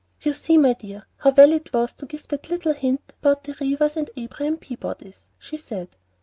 "You see, dear, how well it was to give that little hint about the Reveres and the Abraham Peabodys," she said.